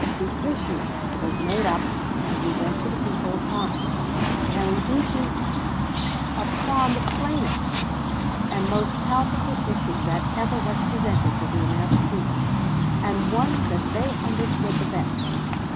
The issue was made up and we went to the people upon it; ... and we beat you upon the plainest and most palpable issue that ever was presented to the American people, and one that they understood the best.